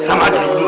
sama ada berdua